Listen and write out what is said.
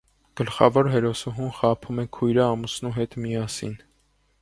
Գլխավոր հերոսուհուն խաբում է քույրը ամուսնու հետ միասին։